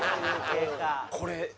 これ。